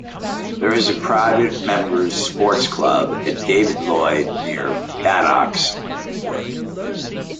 There is a private member's sports club at David Lloyd near Badock's Wood.